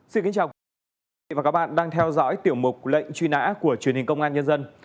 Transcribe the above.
xin kính chào quý vị và các bạn đang theo dõi tiểu mục lệnh truy nã của truyền hình công an nhân dân